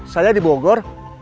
saya di bogor